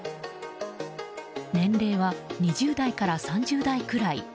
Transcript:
年齢は２０代から３０代くらい。